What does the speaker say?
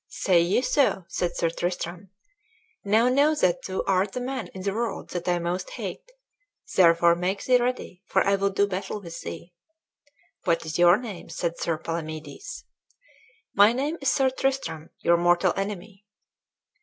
"Say ye so?" said Sir Tristram; "now know that thou art the man in the world that I most hate; therefore make thee ready, for I will do battle with thee." "What is your name?" said Sir Palamedes. "My name is Sir Tristram, your mortal enemy."